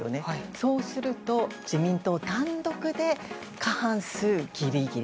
そうすると、自民党単独で過半数ギリギリ。